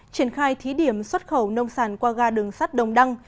triển khai thí điểm xuất khẩu nông sản qua ga đường sắt đồng đăng